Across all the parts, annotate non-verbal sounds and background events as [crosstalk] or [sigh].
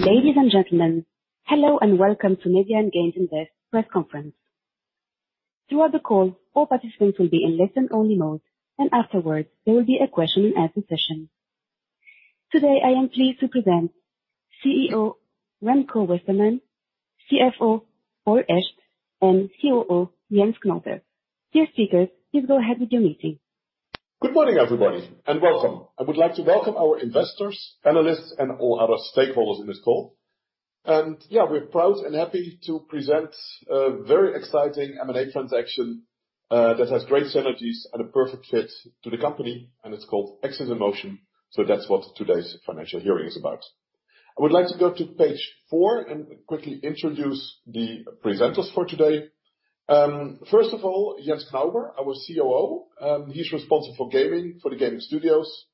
Ladies and gentlemen, hello and welcome to Media and Games Invest press conference. Throughout the call, all participants will be in listen only mode, and afterwards, there will be a question and answer session. Today, I am pleased to present CEO Remco Westermann, CFO Paul Echt, and COO Jens Knauber. Dear speakers, please go ahead with your meeting. Good morning, everybody, and welcome. I would like to welcome our investors, analysts, and all other stakeholders in this call. Yeah, we're proud and happy to present a very exciting M&A transaction that has great synergies and a perfect fit to the company, and it's called AxesInMotion. That's what today's financial hearing is about. I would like to go to page four and quickly introduce the presenters for today. First of all, Jens Knauber, our COO. He's responsible for gaming, for the gaming studios,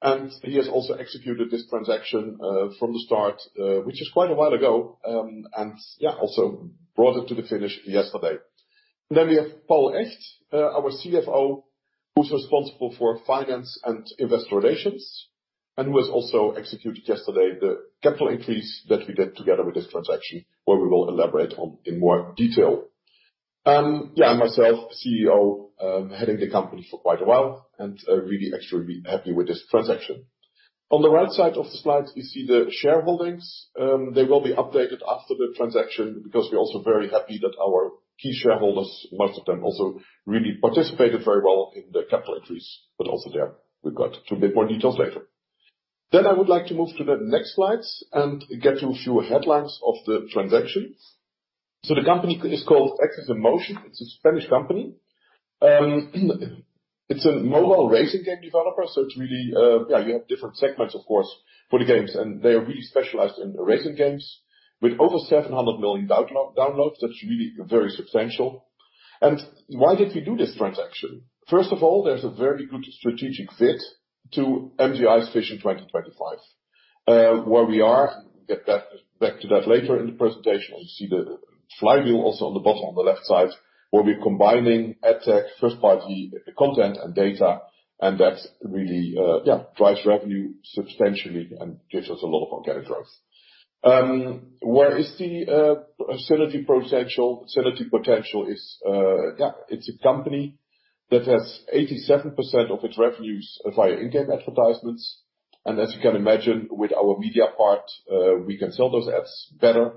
and he has also executed this transaction from the start, which is quite a while ago, and also brought it to the finish yesterday. We have Paul Echt, our CFO, who's responsible for finance and investor relations, and who has also executed yesterday the capital increase that we did together with this transaction, where we will elaborate on in more detail. Yeah, myself, CEO, heading the company for quite a while and, really extremely happy with this transaction. On the right side of the slides, you see the shareholdings. They will be updated after the transaction because we're also very happy that our key shareholders, most of them also really participated very well in the capital increase, but also there we've got a bit more details later. I would like to move to the next slides and get to a few headlines of the transaction. The company is called AxesInMotion. It's a Spanish company. It's a mobile racing game developer. It's really you have different segments, of course, for the games, and they are really specialized in the racing games with over 700 million downloads. That's really very substantial. Why did we do this transaction? First of all, there's a very good strategic fit to MGI's Vision 2025. We'll get back to that later in the presentation. You see the flywheel also on the bottom on the left side, where we're combining ad tech, first-party content and data, and that really drives revenue substantially and gives us a lot of organic growth. Where is the synergy potential? It's a company that has 87% of its revenues via in-game advertisements. As you can imagine, with our media part, we can sell those ads better.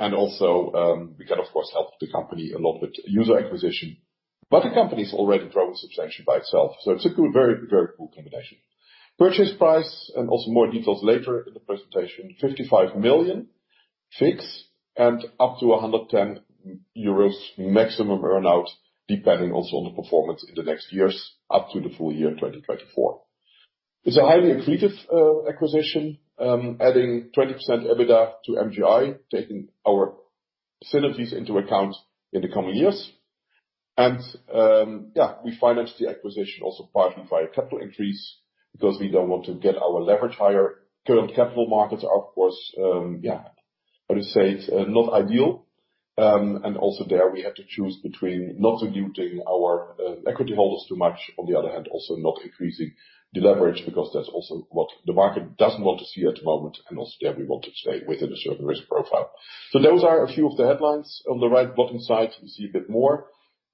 Also, we can, of course, help the company a lot with user acquisition. The company's already growing substantially by itself, so it's a good, very, very cool combination. Purchase price, and also more details later in the presentation, 55 million fixed and up to 110 million euros maximum earn-out, depending also on the performance in the next years up to the full year in 2024. It's a highly accretive acquisition, adding 20% EBITDA to MGI, taking our synergies into account in the coming years. We financed the acquisition also partly via capital increase because we don't want to get our leverage higher. Current capital markets are, of course, how to say, it's not ideal. Also there we have to choose between not diluting our equity holders too much. On the other hand, also not increasing the leverage because that's also what the market doesn't want to see at the moment, and also there we want to stay within a certain risk profile. Those are a few of the headlines. On the right bottom side, you see a bit more.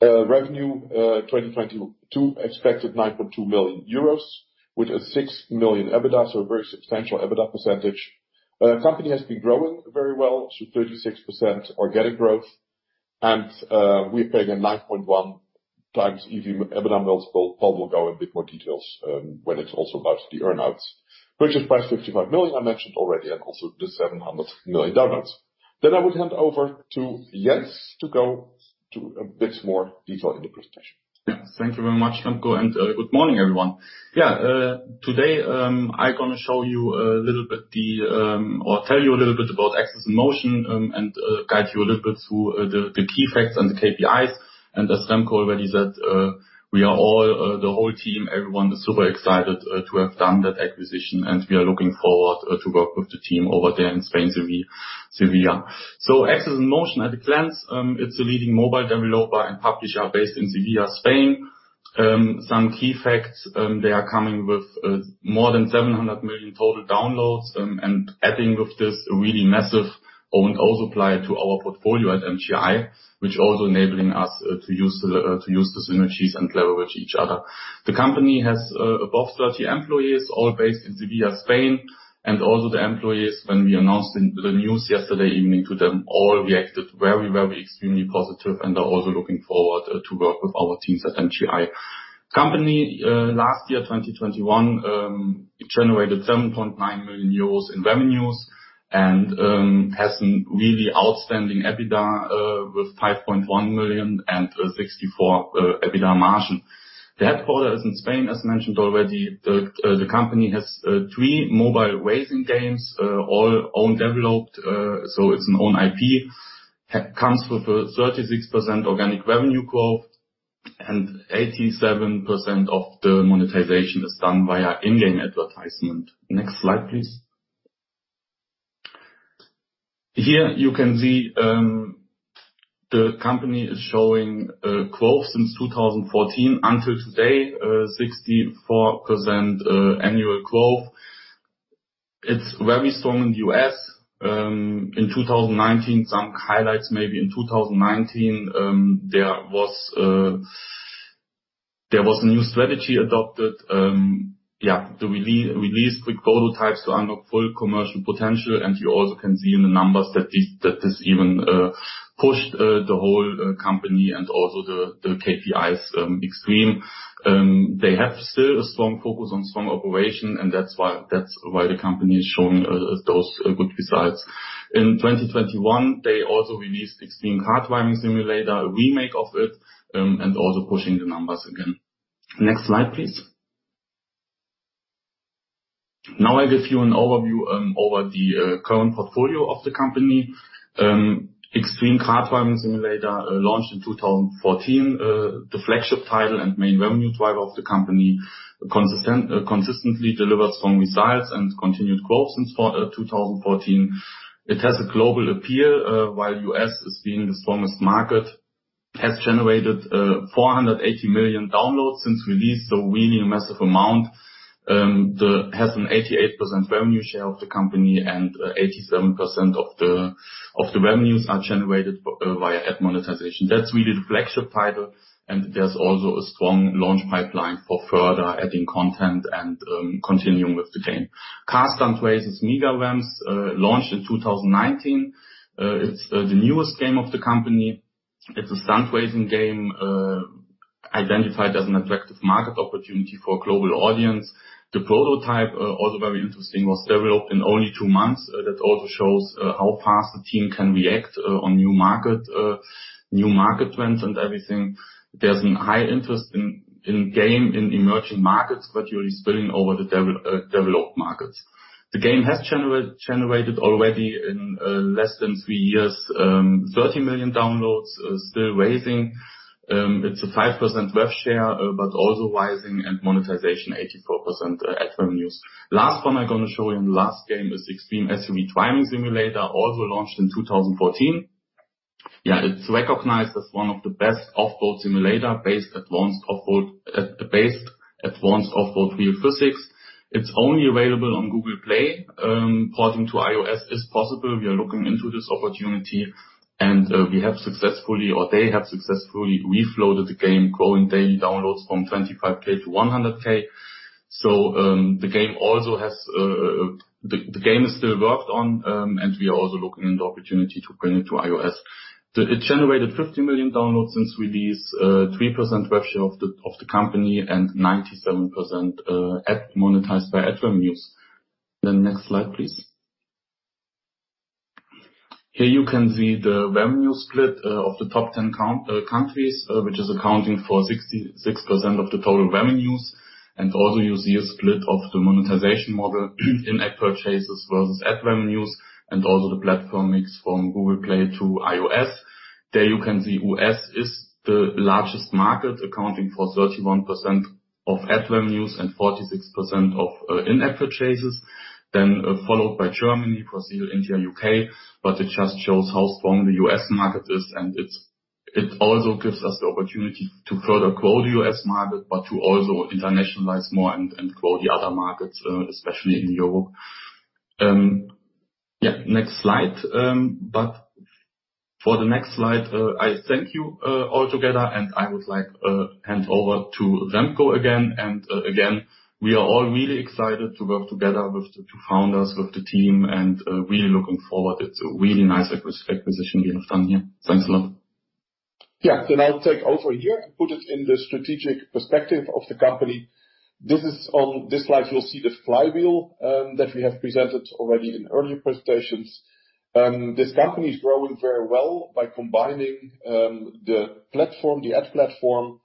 Revenue 2022 expected 9.2 million euros with 6 million EBITDA, so a very substantial EBITDA percentage. Company has been growing very well, so 36% organic growth. We're paying a 9.1x EV/EBITDA multiple. Paul will go into a bit more detail when it's also about the earn-outs. Purchase price 55 million, I mentioned already, and also the 700 million downloads. I would hand over to Jens to go into a bit more detail in the presentation. Yeah. Thank you very much, Remco, and good morning, everyone. Today, I gonna tell you a little bit about AxesInMotion, and guide you a little bit through the key facts and the KPIs. As Remco already said, we are all, the whole team, everyone is super excited to have done that acquisition, and we are looking forward to work with the team over there in Spain, Sevilla. AxesInMotion at a glance. It's a leading mobile developer and publisher based in Sevilla, Spain. Some key facts. They are coming with more than 700 million total downloads and adding of this really massive owned and operated supply to our portfolio at MGI, which also enabling us to use the synergies and leverage each other. The company has above 30 employees, all based in Sevilla, Spain. Also the employees, when we announced in the news yesterday evening to them, all reacted very extremely positive and are also looking forward to work with our teams at MGI. Company last year, 2021, it generated 7.9 million euros in revenues and has some really outstanding EBITDA with 5.1 million and a 64% EBITDA margin. The headquarters is in Spain, as mentioned already. The company has three mobile racing games, all own developed, so it's an own IP. It comes with a 36% organic revenue growth and 87% of the monetization is done via in-game advertisement. Next slide, please. Here you can see the company is showing growth since 2014 until today, 64% annual growth. It's very strong in the U.S. In 2019, some highlights maybe in 2019, there was a new strategy adopted. The release with prototypes to unlock full commercial potential. You also can see in the numbers that this even pushed the whole company and also the KPIs, extreme. They have still a strong focus on strong operation, and that's why the company is showing those good results. In 2021, they also released Extreme Car Driving Simulator, a remake of it, and also pushing the numbers again. Next slide, please. Now I give you an overview of the current portfolio of the company. Extreme Car Driving Simulator launched in 2014. The flagship title and main revenue driver of the company consistently delivered strong results and continued growth since 2014. It has a global appeal while U.S. is being the strongest market. Has generated 480 million downloads since release, so really a massive amount. has an 88% revenue share of the company, and 87% of the revenues are generated via ad monetization. That's really the flagship title, and there's also a strong launch pipeline for further adding content and continuing with the game. Car Stunt Races: Mega Ramps launched in 2019. It's the newest game of the company. It's a stunt racing game identified as an attractive market opportunity for a global audience. The prototype also very interesting, was developed in only two months. That also shows how fast the team can react on new market trends and everything. There's a high interest in game in emerging markets, but really spilling over the developed markets. The game has generated already in less than three years, 30 million downloads, still rising. It's a 5% rev share, but also rising and monetization 84%, ad revenues. Last one I'm gonna show you, the last game is Extreme SUV Driving Simulator, also launched in 2014. Yeah, it's recognized as one of the best off-road simulator based advanced off-road real physics. It's only available on Google Play. Porting to iOS is possible. We are looking into this opportunity, and we have successfully or they have successfully reflowed the game, growing daily downloads from 25,000 to 100,000. The game is still worked on, and we are also looking into the opportunity to bring it to iOS. It generated 50 million downloads since release, 3% rev share of the company and 97% ad monetized by ad revenues. The next slide, please. Here you can see the revenue split of the top 10 countries, which is accounting for 66% of the total revenues. You see a split of the monetization model in-app purchases versus ad revenues, and also the platform mix from Google Play to iOS. There you can see U.S. is the largest market, accounting for 31% of ad revenues and 46% of in-app purchases. Followed by Germany, Brazil, India, U.K., but it just shows how strong the U.S. Market is, and it also gives us the opportunity to further grow the U.S. market, but to also internationalize more and grow the other markets, especially in Europe. Yeah, next slide. For the next slide, I thank you all together, and I would like to hand over to Remco again. Again, we are all really excited to work together with the two founders, with the team, and really looking forward. It's a really nice acquisition we have done here. Thanks a lot. Yeah. I'll take over here and put it in the strategic perspective of the company. This slide you'll see the flywheel that we have presented already in earlier presentations. This company is growing very well by combining the platform, the ad platform,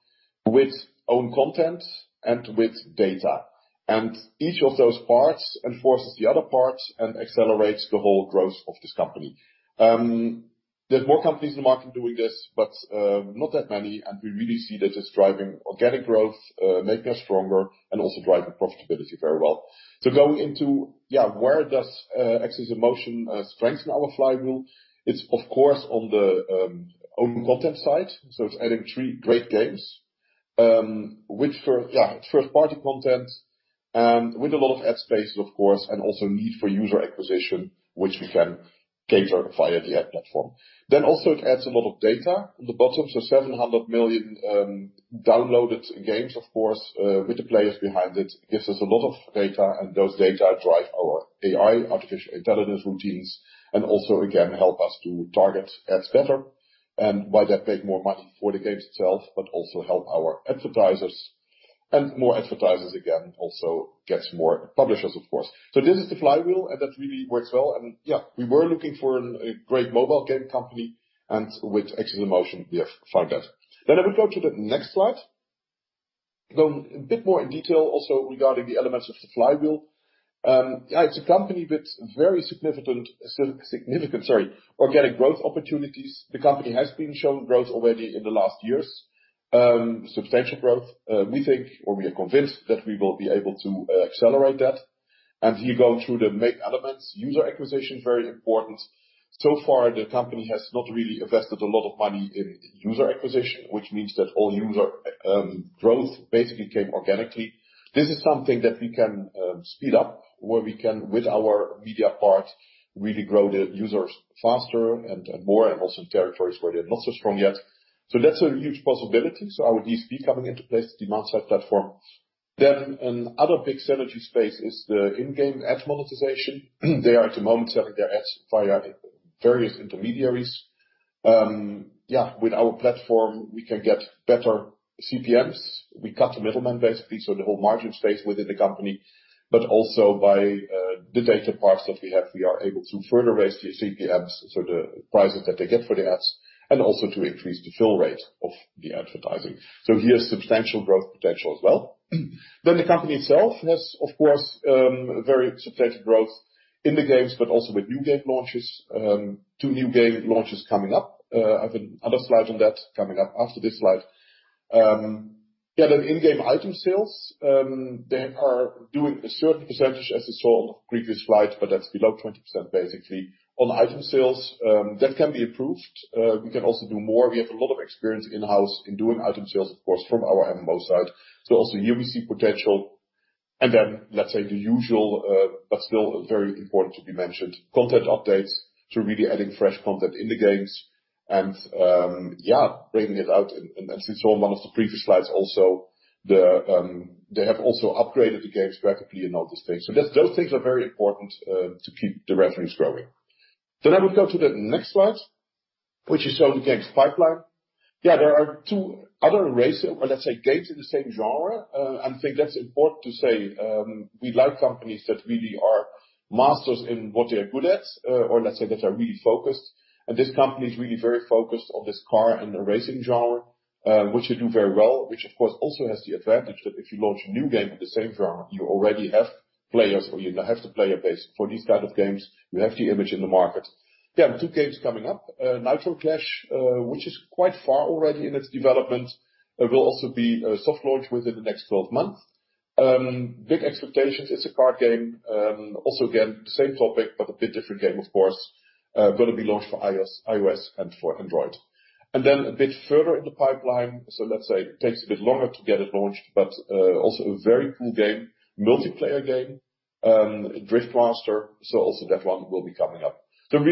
with own content and with data. Each of those parts enforces the other parts and accelerates the whole growth of this company. There are more companies in the market doing this, but not that many, and we really see that it's driving organic growth, making us stronger and also driving profitability very well. Going into, where does AxesInMotion strengthen our flywheel? It's of course on the own content side. It's adding three great games which for... Yeah, first-party content with a lot of ad space of course, and also need for user acquisition, which we can cater via the ad platform. It adds a lot of data. The bottom, 700 million downloaded games of course with the players behind it gives us a lot of data and those data drive our AI, artificial intelligence routines, and also again help us to target ads better, and by that make more money for the games itself, but also help our advertisers. More advertisers again also gets more publishers of course. This is the flywheel and that really works well. Yeah, we were looking for a great mobile game company and with AxesInMotion we have found that. If we go to the next slide. Go a bit more in detail also regarding the elements of the flywheel. It's a company with very significant organic growth opportunities. The company has shown growth already in the last years. Substantial growth. We think, or we are convinced that we will be able to accelerate that. If you go through the main elements, user acquisition is very important. So far, the company has not really invested a lot of money in user acquisition, which means that all user growth basically came organically. This is something that we can speed up, where we can, with our media part, really grow the users faster and more, and also in territories where they're not so strong yet. That's a huge possibility. Our DSP coming into place, demand-side platform. Another big synergy space is the in-game ad monetization. They are at the moment selling their ads via various intermediaries. With our platform, we can get better CPMs. We cut the middleman basically, so the whole margin space within the company. By the data parts that we have, we are able to further raise the CPMs, so the prices that they get for the ads, and also to increase the fill rate of the advertising. Here's substantial growth potential as well. The company itself has, of course, very substantial growth in the games, but also with new game launches. Two new game launches coming up. I have another slide on that coming up after this slide. Yeah, the in-game item sales, they are doing a certain percentage as you saw on the previous slide, but that's below 20% basically. On item sales, that can be improved. We can also do more. We have a lot of experience in-house in doing item sales, of course, from our MMO side. Also here we see potential. Let's say, the usual, but still very important to be mentioned, content updates to really adding fresh content in the games and, yeah, bringing it out. As we saw in one of the previous slides also, they have also upgraded the games graphically and all those things. Those things are very important to keep the revenues growing. I would go to the next slide, which you saw in the games pipeline. Yeah, there are two other races or let's say games in the same genre. I think that's important to say, we like companies that really are masters in what they are good at, or let's say that are really focused. This company is really very focused on this car and the racing genre, which they do very well, which of course also has the advantage that if you launch a new game in the same genre, you already have players or you have the player base for these type of games. You have the image in the market. They have two games coming up. Nitro Clash, which is quite far already in its development. It will also be a soft launch within the next 12 months. Big expectations. It's a car game. Also again, same topic, but a bit different game of course. Gonna be launched for iOS and for Android. A bit further in the pipeline, so let's say it takes a bit longer to get it launched, but also a very cool game, multiplayer game, Drift Master. That one will be coming up. As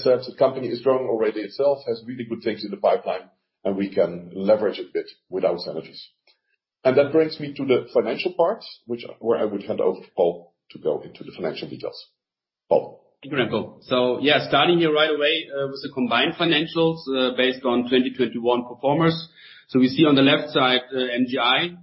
I said, the company is growing already itself, has really good things in the pipeline, and we can leverage a bit with our synergies. That brings me to the financial part, where I would hand over to Paul to go into the financial details. Paul. Thank you, Remco. Yeah, starting here right away, with the combined financials, based on 2021 performance. We see on the left side, MGI,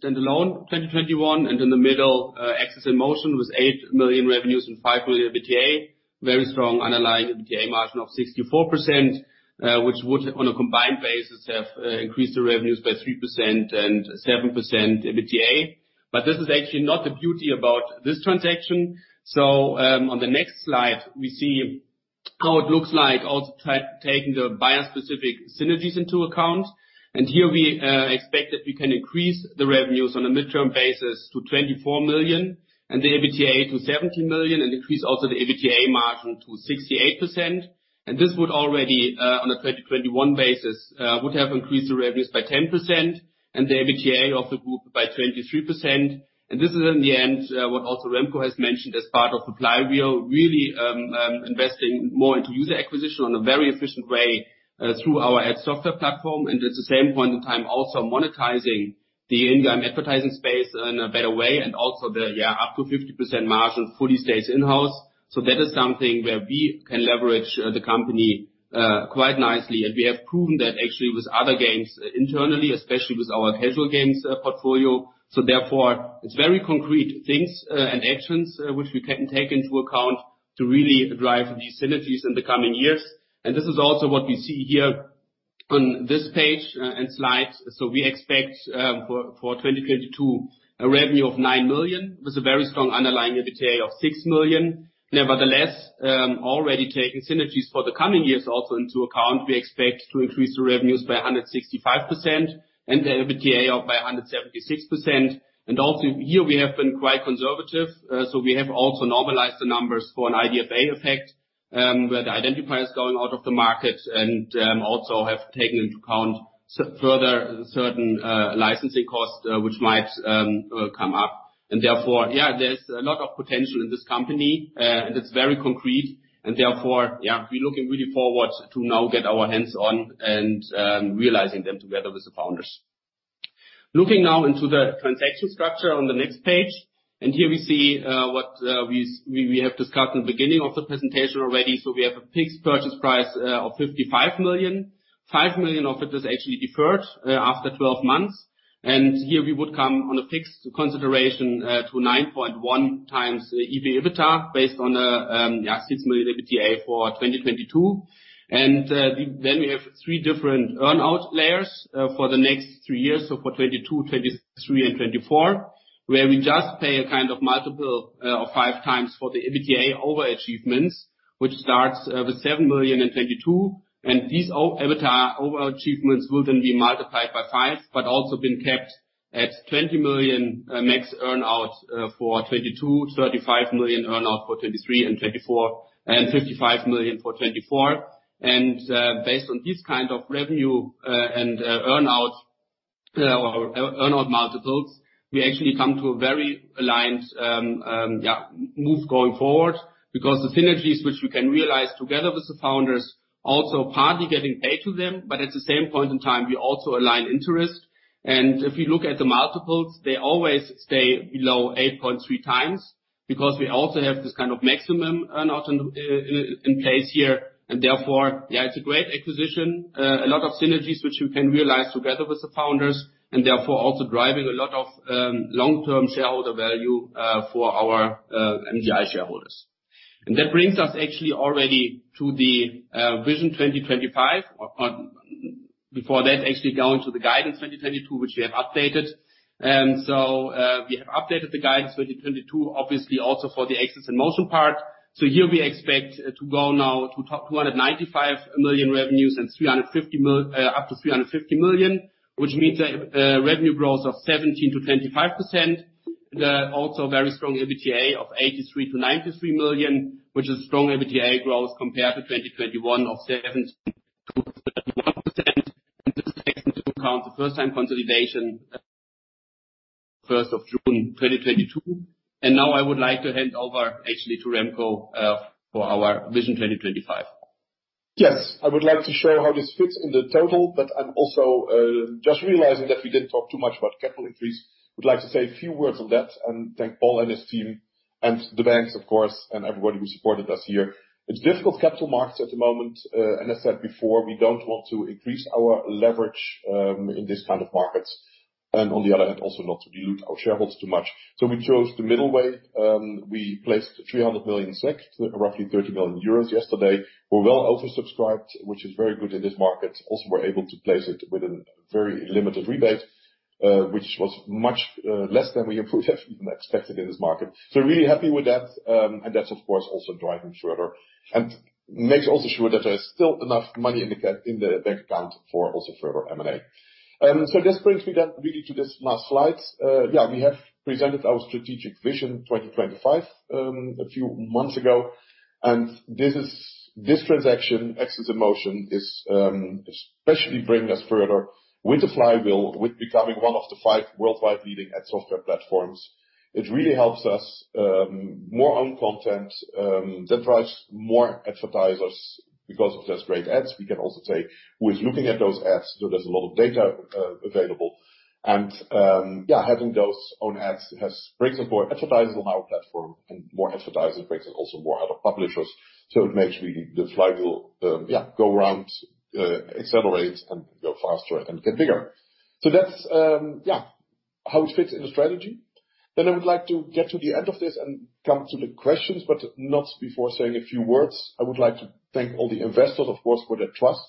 standalone 2021, and in the middle, AxesInMotion with 8 million revenues and 5 million EBITDA. Very strong underlying EBITDA margin of 64%, which would on a combined basis have increased the revenues by 3% and EBITDA by 7%. This is actually not the beauty about this transaction. On the next slide, we see how it looks like also taking the buyer-specific synergies into account. Here we expect that we can increase the revenues on a midterm basis to 24 million and the EBITDA to 17 million and increase also the EBITDA margin to 68%. This would already, on a 2021 basis, would have increased the revenues by 10% and the EBITDA of the group by 23%. This is in the end, what also Remco has mentioned as part of the flywheel, really, investing more into user acquisition on a very efficient way, through our ad software platform. At the same point in time, also monetizing the in-game advertising space in a better way and also the up to 50% margin fully stays in-house. That is something where we can leverage the company quite nicely. We have proven that actually with other games internally, especially with our casual games portfolio. Therefore, it's very concrete things and actions which we can take into account to really drive these synergies in the coming years. This is also what we see here on this page and slides. We expect for 2022 a revenue of 9 million, with a very strong underlying EBITDA of 6 million. Nevertheless, already taking synergies for the coming years also into account, we expect to increase the revenues by 165% and the EBITDA by 176%. We have also been quite conservative here. We have also normalized the numbers for an IDFA effect, where the identifier is going out of the market and also have taken into account further certain licensing costs, which might come up. Therefore, yeah, there's a lot of potential in this company and it's very concrete. Therefore, yeah, we're looking really forward to now get our hands on and realizing them together with the founders. Looking now into the transaction structure on the next page. Here we see what we have discussed in the beginning of the presentation already. We have a fixed purchase price of 55 million. 5 million of it is actually deferred after 12 months. Here we would come on a fixed consideration to 9.1x the EBITDA based on the 6 million EBITDA for 2022. We have three different earn-out layers for the next three years, so for 2022, 2023 and 2024, where we just pay a kind of multiple of 5x for the EBITDA over achievements, which starts with 7 million in 2022. These EBITDA over-achievements will then be multiplied by five, but also been capped at 20 million max earn-out for 2022, 35 million earn-out for 2023 and 2024, and 55 million for 2024. Based on this kind of revenue and earn-out multiples, we actually come to a very aligned yeah, move going forward because the synergies which we can realize together with the founders also partly getting paid to them, but at the same point in time, we also align interest. If you look at the multiples, they always stay below 8.3x because we also have this kind of maximum earn-out in place here and therefore, yeah, it's a great acquisition. A lot of synergies which we can realize together with the founders and therefore also driving a lot of long-term shareholder value for our MGI shareholders. That brings us actually already to the Vision 2025. Before that, actually going to the guidance 2022, which we have updated. We have updated the guidance 2022, obviously also for the AxesInMotion part. Here we expect to grow now to 295 million revenues and up to 350 million, which means a revenue growth of 17%-25%. That's also very strong EBITDA of 83 million-93 million, which is strong EBITDA growth compared to 2021 of 7%-11%. This takes into account the first time consolidation, 1st of June 2022. Now I would like to hand over actually to Remco for our Vision 2025. Yes. I would like to show you how this fits in the total, but I'm also just realizing that we didn't talk too much about capital increase. Would like to say a few words on that and thank Paul Echt and his team and the banks of course, and everybody who supported us here. It's difficult capital markets at the moment. I said before, we don't want to increase our leverage in this kind of markets. On the other hand, also not to dilute our shareholders too much. We chose the middle way. We placed 300 million shares, roughly 30 million euros yesterday. We're well oversubscribed, which is very good in this market. Also, we're able to place it with a very limited rebate, which was much less than we have even expected in this market. We're really happy with that. That's of course also driving further and makes also sure that there's still enough money in the bank account for also further M&A. This brings me then really to this last slide. We have presented our strategic Vision 2025 a few months ago. This transaction, AxesInMotion, is especially bringing us further with the flywheel, with becoming one of the five worldwide leading ad software platforms. It really helps us more on content that drives more advertisers because of those great ads. We can also see who is looking at those ads, so there's a lot of data available. Having those own ads brings on board advertisers on our platform and more advertisers brings in also more outstream publishers. It makes really the flywheel go around, accelerate and go faster and get bigger. That's how it fits in the strategy. I would like to get to the end of this and come to the questions, but not before saying a few words. I would like to thank all the investors, of course, for their trust,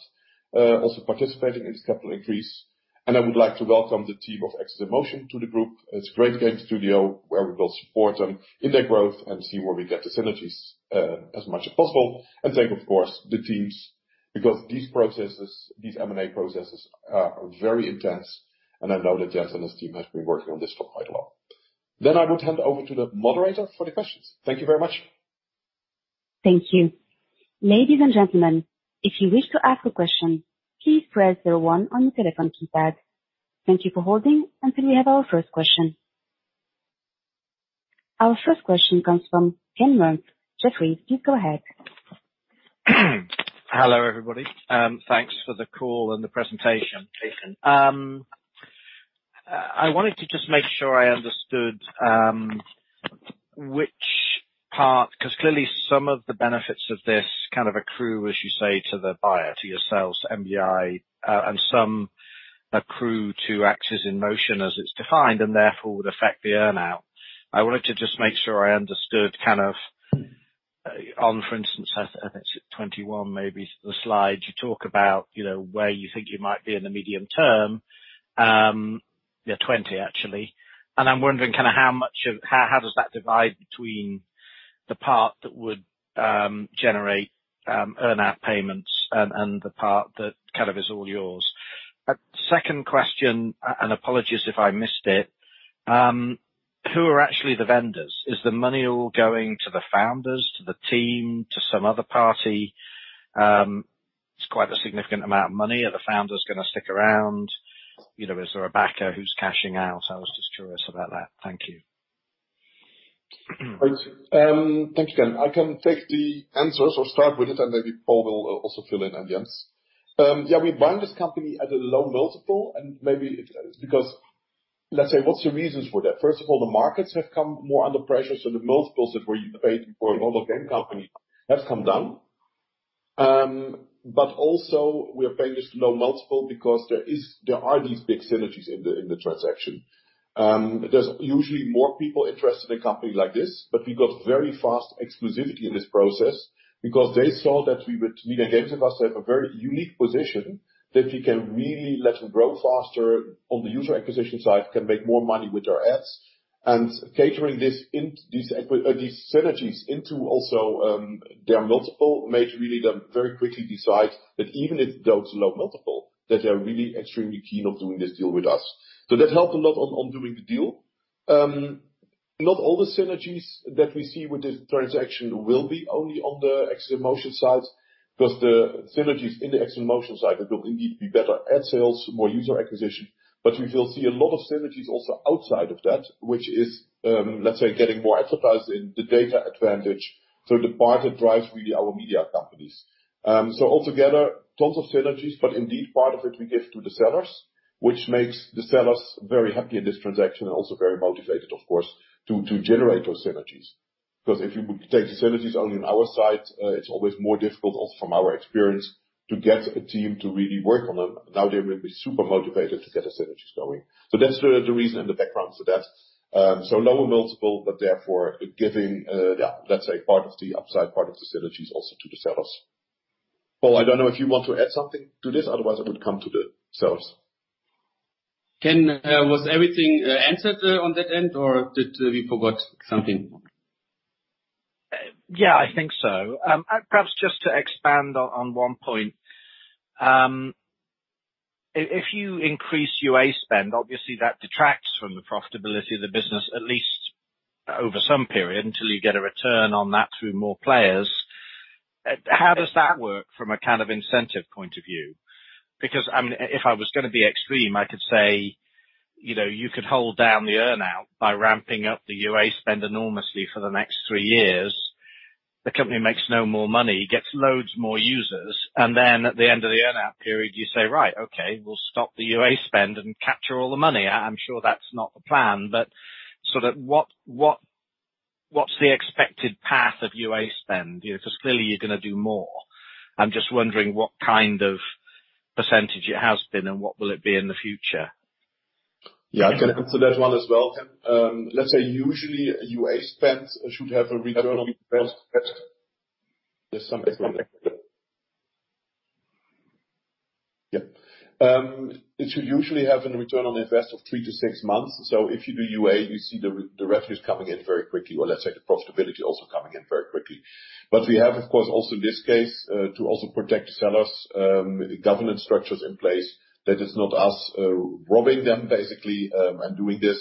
also participating in this capital increase. I would like to welcome the team of AxesInMotion to the group. It's a great game studio where we will support them in their growth and see where we get the synergies, as much as possible. Thank, of course, the teams, because these processes, these M&A processes are very intense. I know that Jens and his team has been working on this for quite long. I would hand over to the moderator for the questions. Thank you very much. Thank you. Ladies and gentlemen, if you wish to ask a question, please press zero one on your telephone keypad. Thank you for holding until we have our first question. Our first question comes from Ken Rumph from Jefferies, please go ahead. Hello, everybody. Thanks for the call and the presentation. You're welcome. I wanted to just make sure I understood, which part, 'cause clearly some of the benefits of this kind of accrue, as you say, to the buyer, to yourselves, MGI, and some accrue to AxesInMotion as it's defined and therefore would affect the earn-out. I wanted to just make sure I understood kind of, on, for instance, I think it's 21, maybe, the slide you talk about, you know, where you think you might be in the medium term. Yeah, 20, actually. I'm wondering kinda how much of how does that divide between the part that would generate earn-out payments and the part that kind of is all yours. A second question, and apologies if I missed it. Who are actually the vendors? Is the money all going to the founders, to the team, to some other party? It's quite a significant amount of money. Are the founders gonna stick around? You know, is there a backer who's cashing out? I was just curious about that. Thank you. Great. Thank you, Ken. I can take the answers or start with it, and maybe Paul will also fill in and Jens. Yeah, we bought this company at a low multiple, and maybe it's because, let's say, what's your reasons for that? First of all, the markets have come more under pressure, so the multiples that were paid for a normal game company have come down. But also we are paying this low multiple because there are these big synergies in the transaction. There's usually more people interested in a company like this, but we got very fast exclusivity in this process because they saw that we at Games and us have a very unique position that we can really let them grow faster on the user acquisition side, can make more money with our ads. Factoring this in, these synergies into also their multiple made them really very quickly decide that even if that's low multiple, that they are really extremely keen on doing this deal with us. That helped a lot on doing the deal. Not all the synergies that we see with this transaction will be only on the AxesInMotion side, because the synergies in the AxesInMotion side will indeed be better ad sales, more user acquisition. We will see a lot of synergies also outside of that, which is, let's say getting more advertising, the data advantage. The part that drives really our media companies. Altogether, tons of synergies, but indeed part of it we give to the sellers, which makes the sellers very happy in this transaction and also very motivated, of course, to generate those synergies. Because if you take the synergies only on our side, it's always more difficult from our experience to get a team to really work on them. Now they will be super motivated to get the synergies going. That's the reason and the background to that. Lower multiple, but therefore giving, yeah, let's say part of the upside, part of the synergies also to the sellers. Paul, I don't know if you want to add something to this? Otherwise, I would come to the sales. Ken, was everything answered on that end, or did we forget something? Yeah, I think so. Perhaps just to expand on one point. If you increase UA spend, obviously that detracts from the profitability of the business, at least over some period, until you get a return on that through more players. How does that work from a kind of incentive point of view? Because, I mean, if I was gonna be extreme, I could say, you know, you could hold down the earn-out by ramping up the UA spend enormously for the next three years. The company makes no more money, gets loads more users, and then at the end of the earn-out period, you say, "Right, okay, we'll stop the UA spend and capture all the money." I'm sure that's not the plan, but sort of what's the expected path of UA spend? You know, 'cause clearly you're gonna do more. I'm just wondering what kind of percentage it has been, and what will it be in the future? Yeah, I can answer that one as well. Let's say usually UA spend should have a return on investment. There's some echo. Yeah. It should usually have a return on investment of 3-6 months. If you do UA, you see the revenues coming in very quickly, or let's say the profitability also coming in very quickly. We have, of course, also in this case, to also protect the sellers, with the governance structures in place, that it's not us, robbing them basically, and doing this.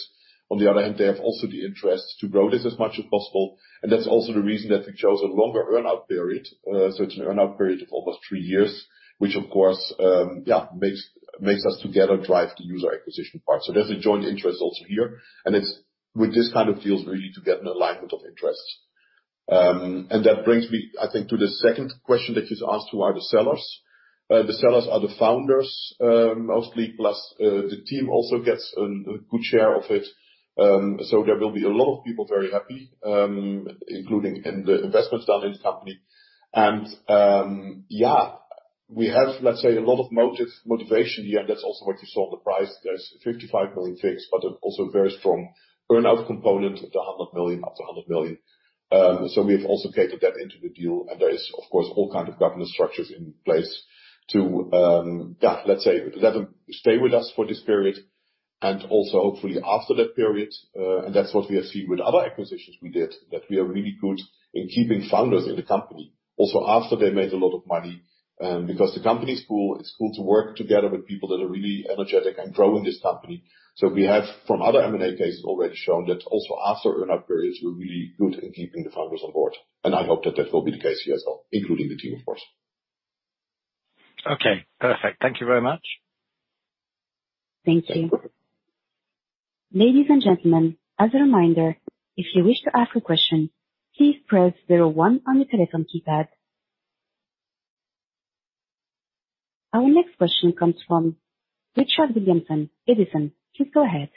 On the other hand, they have also the interest to grow this as much as possible, and that's also the reason that we chose a longer earn-out period. It's an earn-out period of almost 3 years, which of course, makes us together drive the user acquisition part. There's a joint interest also here. It's with this kind of deals really to get an alignment of interests. That brings me, I think, to the second question that you asked, who are the sellers? The sellers are the founders, mostly, plus, the team also gets a good share of it. There will be a lot of people very happy, including in the investments done in the company. Yeah, we have, let's say, a lot of motivation here. That's also what you saw the price. There's 55 million fixed, but then also very strong earn-out component of the 100 million, up to 100 million. We have also catered that into the deal. There is, of course, all kind of governance structures in place to, let's say, let them stay with us for this period. Also hopefully after that period, and that's what we have seen with other acquisitions we did, that we are really good in keeping founders in the company, also after they made a lot of money, because the company's cool. It's cool to work together with people that are really energetic and grow in this company. We have from other M&A cases already shown that also after earn-out periods, we're really good in keeping the founders on board. I hope that that will be the case here as well, including the team, of course. Okay, perfect. Thank you very much. Thank you. Ladies and gentlemen, as a reminder, if you wish to ask a question, please press zero one on your telephone keypad. Our next question comes from Richard Williamson, Edison. Please go ahead.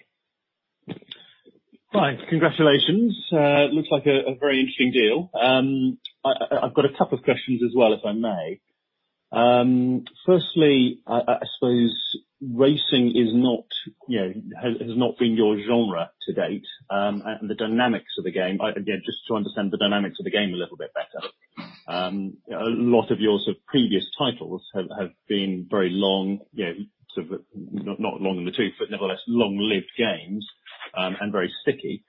Hi. Congratulations. Looks like a very interesting deal. I've got a couple of questions as well, if I may. Firstly, I suppose racing, you know, has not been your genre to date. The dynamics of the game, I again just to understand the dynamics of the game a little bit better. A lot of your sort of previous titles have been very long, you know, sort of, not long in the tooth, but nevertheless long-lived games, and very sticky.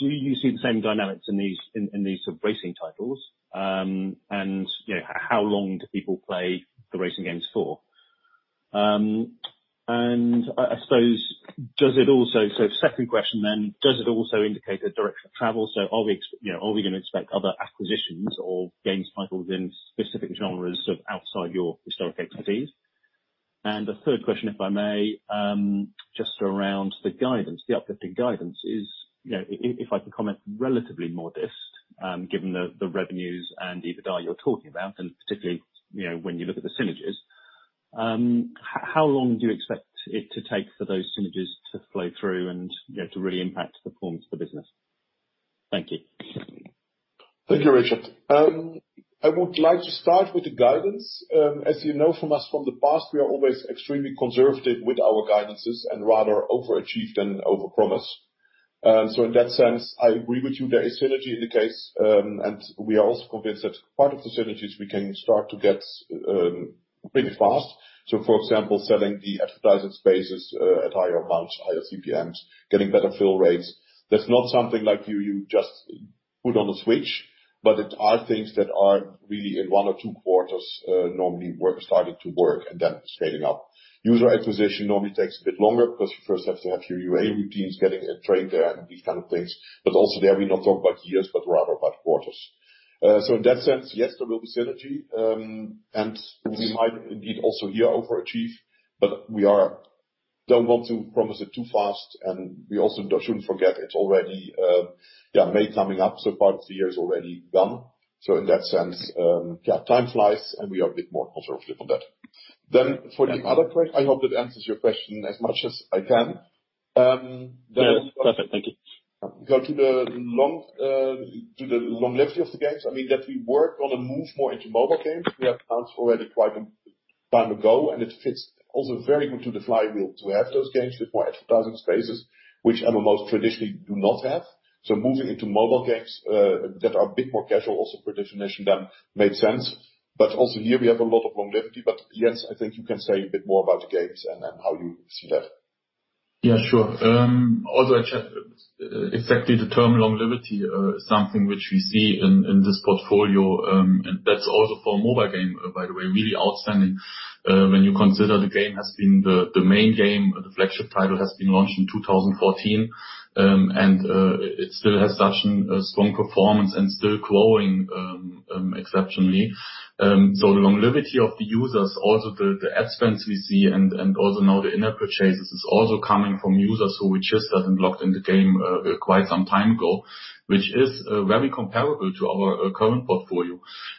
Do you see the same dynamics in these, in these sort of racing titles? You know, how long do people play the racing games for? Second question then, does it also indicate a direction of travel? Are we gonna expect other acquisitions or games titles in specific genres sort of outside your historic expertise? A third question, if I may, just around the guidance, the uplifting guidance is, you know, if I can comment relatively modest, given the revenues and EBITDA you're talking about, and particularly, you know, when you look at the synergies, how long do you expect it to take for those synergies to flow through and, you know, to really impact the performance of the business? Thank you. Thank you, Richard. I would like to start with the guidance. As you know from us from the past, we are always extremely conservative with our guidances and rather overachieve than overpromise. In that sense, I agree with you, there is synergy in the case. We are also convinced that part of the synergies we can start to get, pretty fast. For example, selling the advertising spaces, at higher amounts, higher CPMs, getting better fill rates. That's not something like you just put on a switch, but there are things that are really in one or two quarters, normally starting to work and then scaling up. User acquisition normally takes a bit longer 'cause you first have to have your UA routines getting it trained there and these kind of things. Also there, we don't talk about years but rather about quarters. In that sense, yes, there will be synergy. We might indeed also here overachieve, but we don't want to promise it too fast, and we also shouldn't forget it's already May coming up, so part of the year is already gone. In that sense, time flies, and we are a bit more conservative on that. For the other question, I hope that answers your question as much as I can. Yeah. Perfect. Thank you. Go to the longevity of the games. I mean, that we work on a move more into mobile games. We have announced already quite a time ago, and it fits also very good to the flywheel to have those games with more advertising spaces which MMOs traditionally do not have. Moving into mobile games, that are a bit more casual also per definition then make sense. Also here we have a lot of longevity. Yes, I think you can say a bit more about the games and then how you see that. Yeah, sure. Also exactly the term longevity, something which we see in this portfolio, and that's also for mobile game, by the way, really outstanding, when you consider the game has been the main game, the flagship title has been launched in 2014, and it still has such strong performance and still growing exceptionally. So the longevity of the users, also the ad spends we see and also now the in-app purchases is also coming from users who we just haven't logged in the game quite some time ago, which is very comparable to our current portfolio.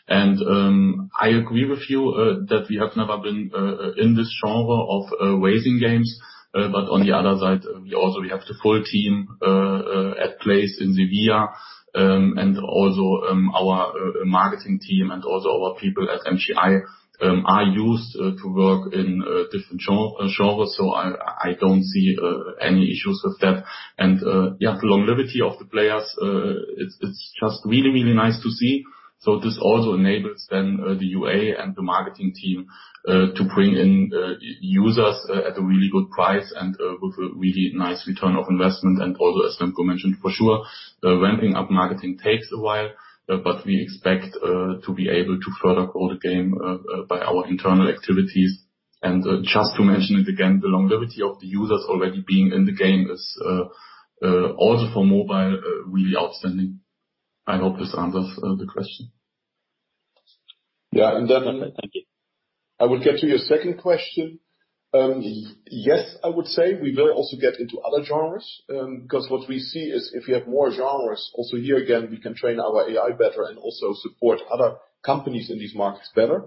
I agree with you that we have never been in this genre of racing games. On the other side, we also have the full team in place in Sevilla. Our marketing team and also our people at MGI are used to work in different genres. I don't see any issues with that. Yeah, the longevity of the players, it's just really nice to see. This also enables then the UA and the marketing team to bring in users at a really good price and with a really nice return on investment. Also, as Remco Westermann mentioned, for sure, ramping up marketing takes a while, but we expect to be able to further grow the game by our internal activities. Just to mention it again, the longevity of the users already being in the game is also for mobile really outstanding. I hope this answers the question. Yeah. Perfect. Thank you. I will get to your second question. Yes, I would say we will also get into other genres, 'cause what we see is if you have more genres, also here again, we can train our AI better and also support other companies in these markets better.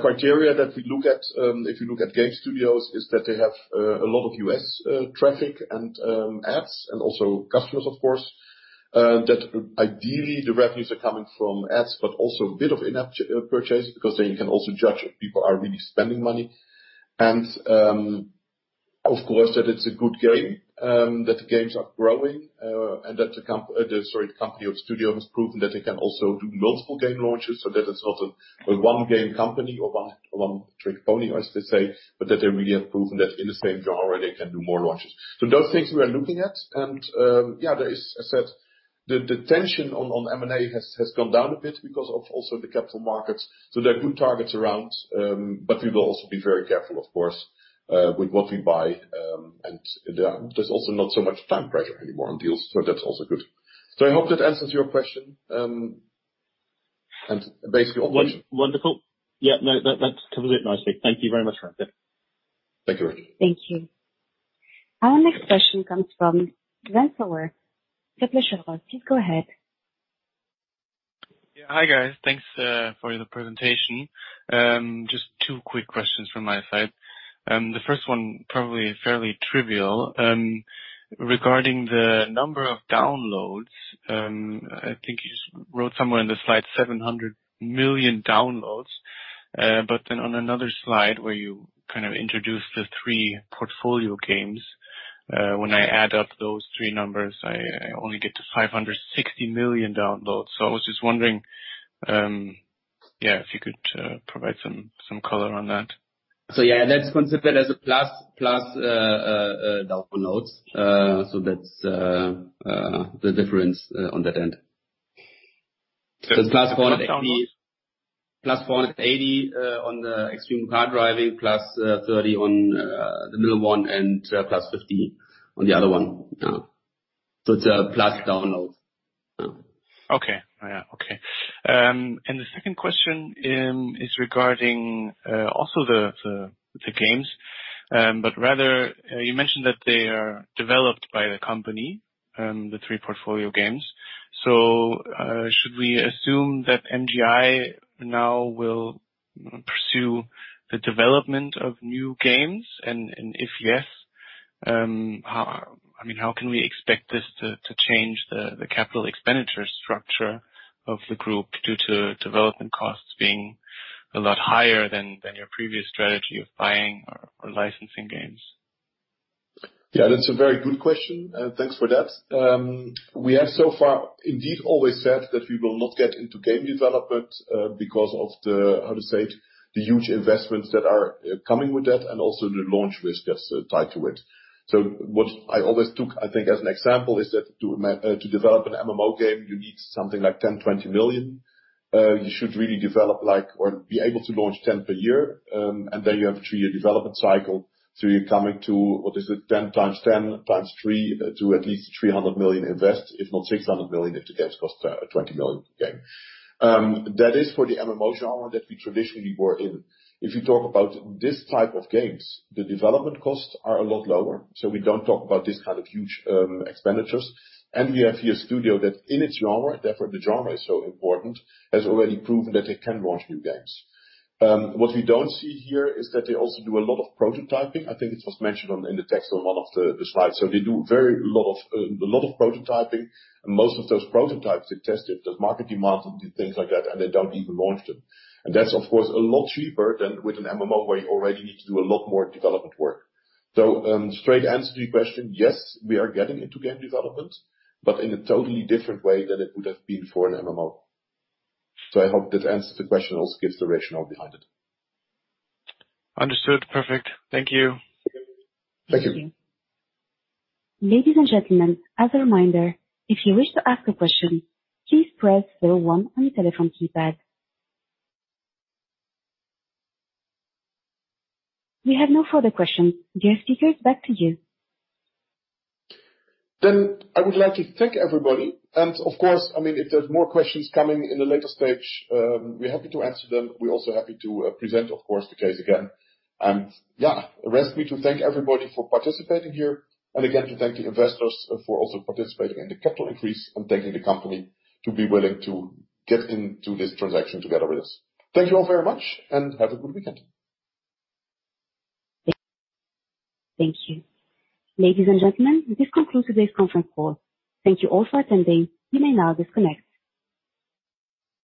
Criteria that we look at, if you look at game studios, is that they have a lot of U.S. traffic and ads and also customers, of course. That ideally the revenues are coming from ads, but also a bit of in-app purchase because then you can also judge if people are really spending money. Of course, that it's a good game, that the games are growing, and that the comp... Sorry, company or studio has proven that they can also do multiple game launches, so that it's not a one game company or one trick pony, as they say, but that they really have proven that in the same genre they can do more launches. Those things we are looking at. I said, the tension on M&A has gone down a bit because of also the capital markets. There are good targets around, but we will also be very careful of course, with what we buy. There, there's also not so much time pressure anymore on deals, that's also good. I hope that answers your question, and based your- Wonderful. Yeah. No, that covers it nicely. Thank you very much for that. Thank you, Ricky. Thank you. Our next question comes from, [audio distortion] please go ahead. Yeah. Hi, guys. Thanks for the presentation. Just two quick questions from my side. The first one probably fairly trivial, regarding the number of downloads. I think you wrote somewhere in the slide 700 million downloads. But then on another slide where you kind of introduced the three portfolio games, when I add up those three numbers, I only get to 560 million downloads. I was just wondering if you could provide some color on that. Yeah, that's considered as a plus downloads. That's the difference on that end. It's plus 480- download. +480 on the Extreme Car Driving Simulator, +30 on the middle one, and +15 on the other one. Yeah. It's plus downloads. Yeah. The second question is regarding also the games. Rather, you mentioned that they are developed by the company, the three portfolio games. Should we assume that MGI now will pursue the development of new games? If yes, I mean, how can we expect this to change the capital expenditure structure of the group due to development costs being a lot higher than your previous strategy of buying or licensing games? Yeah, that's a very good question, and thanks for that. We have so far indeed always said that we will not get into game development, because of the, how to say it, the huge investments that are coming with that and also the launch risk that's tied to it. What I always took, I think as an example, is that to develop an MMO game, you need something like 10 million-20 million. You should really develop like or be able to launch 10 per year, and then you have a three-year development cycle. You're coming to, what is it, 10 times 10 times 3 to at least 300 million invest, if not 600 million if the games cost 20 million a game. That is for the MMO genre that we traditionally were in. If you talk about this type of games, the development costs are a lot lower, so we don't talk about this kind of huge, expenditures. We have here a studio that in its genre, therefore the genre is so important, has already proven that it can launch new games. What we don't see here is that they also do a lot of prototyping. I think it was mentioned in the text on one of the slides. So they do a lot of prototyping, and most of those prototypes, they tested those market demands and things like that, and they don't even launch them. That's of course a lot cheaper than with an MMO, where you already need to do a lot more development work. Straight answer to your question, yes, we are getting into game development, but in a totally different way than it would have been for an MMO. I hope that answers the question, also gives the rationale behind it. Understood. Perfect. Thank you. Thank you. Thank you. Ladies and gentlemen, as a reminder, if you wish to ask a question, please press zero one on your telephone keypad. We have no further questions. Dear speakers, back to you. I would like to thank everybody, and of course, I mean, if there's more questions coming in a later stage, we're happy to answer them. We're also happy to present, of course, the case again. Yeah, it remains for me to thank everybody for participating here and again to thank the investors for also participating in the capital increase and thanking the company to be willing to get into this transaction together with us. Thank you all very much and have a good weekend. Thank you. Ladies and gentlemen, this concludes today's conference call. Thank you all for attending. You may now disconnect.